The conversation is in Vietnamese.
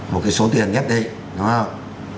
một cái số tiền nhất định đúng không